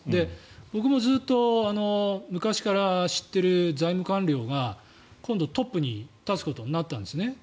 僕もずっと昔から知っている財務官僚が今度、トップに立つことになったんですね。